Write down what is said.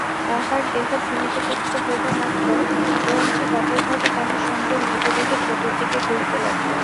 তাহার দেহ ভূমিতে পতিত হইবামাত্র ক্রৌঞ্চী কাতরভাবে তাহার সঙ্গীর মৃতদেহের চতুর্দিকে ঘুরিতে লাগিল।